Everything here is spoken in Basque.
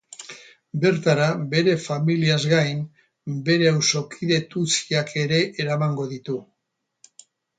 Bertara bere familiaz gain, bere auzokide tutsiak ere eramango ditu.